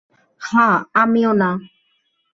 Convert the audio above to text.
হ্যাঁ, আমিও না।